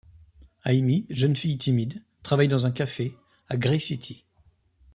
Aïmi, jeune fille timide, travaille dans un café, à Gray City.